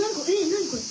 何これ？